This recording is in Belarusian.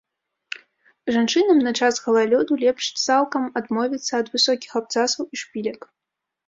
Жанчынам на час галалёду лепш цалкам адмовіцца ад высокіх абцасаў і шпілек.